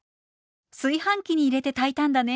炊飯器に入れて炊いたんだね！」。